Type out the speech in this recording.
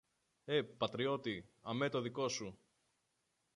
Ε, πατριώτη, αμέ το δικό σου;